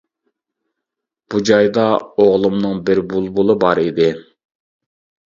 بۇ جايدا ئوغلۇمنىڭ بىر بۇلبۇلى بار ئىدى.